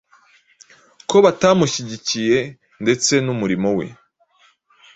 ko batamushyigikiye ndetse n’umurimo we.